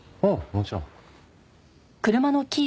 もちろん。